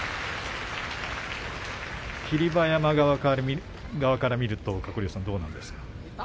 霧馬山側から見ると鶴竜さんどうなんですか。